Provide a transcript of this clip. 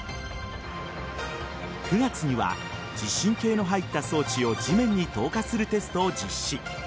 ９月には地震計の入った装置を地面に投下するテストを実施。